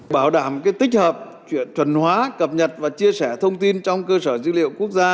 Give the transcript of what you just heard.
bảo đảm tích hợp chuyện chuẩn hóa cập nhật và chia sẻ thông tin trong cơ sở dữ liệu quốc gia